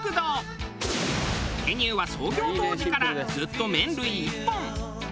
メニューは創業当時からずっと麺類一本。